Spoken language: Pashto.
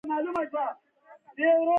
دوی د طالبانو کړنو پر ناسموالي پوه شوي.